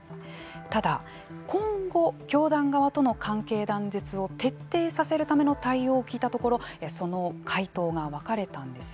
ただ、今後、教団側との関係断絶の徹底させるための対応を聞いたところその回答が分かれたんです。